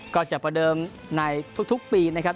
ก็จะประเดิมในทุกปีนะครับ